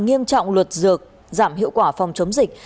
nghiêm trọng luật dược giảm hiệu quả phòng chống dịch